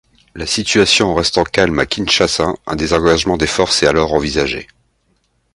La situation restant calme à Kinshasa, un désengagement des forces est alors envisagé.